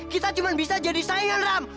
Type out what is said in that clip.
kita cuma bisa jadi saya ram